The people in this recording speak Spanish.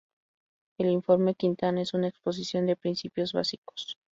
El "Informe Quintana" es una exposición de principios básicos.